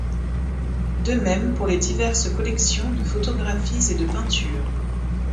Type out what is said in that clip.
De même pour les diverses collections de photographies et de peintures.